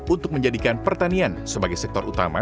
untuk menjadikan pertanian sebagai sektor utama